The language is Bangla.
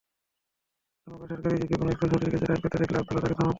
কোনো সরকারি জিপে কোনো স্কুলছাত্রছাত্রীকে যাতায়াত করতে দেখলে আবদুল্লাহ তাকে থামাতেন।